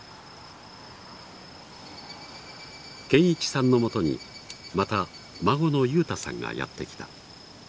堅一さんのもとにまた孫の友太さんがやって来た。